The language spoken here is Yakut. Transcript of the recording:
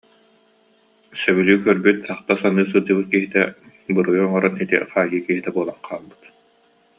Сөбүлүү көрбүт, ахта-саныы сылдьыбыт киһитэ буруйу оҥорон ити хаайыы киһитэ буолан хаалбыт